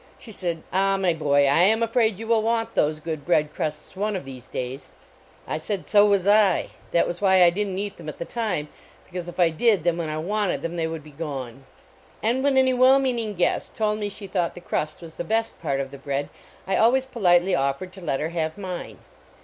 She said, "Ah, my boy, I am afraid you will want those good bread crusts one of these days." I said, so was I ; that was why I didn t eat them at the time, because if I did, then when I wanted them they would be gone. And when any well meaning guest told me she thought the crust was the best part of the bread, I always politely offered to let her have mine.